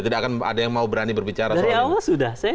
tidak akan ada yang mau berani berbicara soal ini